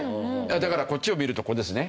だからこっちを見るとこれですね。